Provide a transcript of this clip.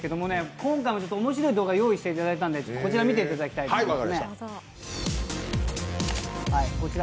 今回も面白い動画を用意していただいたんで、見ていただきたいと思います。